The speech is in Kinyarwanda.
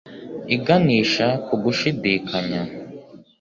iganisha ku gushidikanya